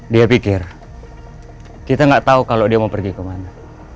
dia pikir kita gak tau kalo dia mau pergi kemana